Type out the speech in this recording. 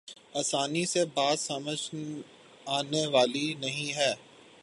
آسانی سے بات سمجھ آنے والی نہیں ہے۔